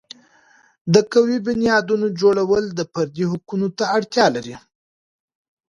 د قوي بنیادونو جوړول د فردي حقوقو ته اړتیا لري.